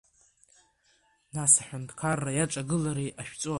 Нас аҳәынҭқарра иаҿагылар иҟашәҵои?